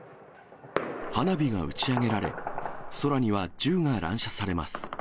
花火が打ち上げられ、空には銃が乱射されます。